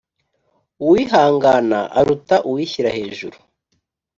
uwihangana aruta uwishyira hejuru